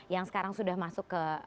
yang sekarang sudah masuk ke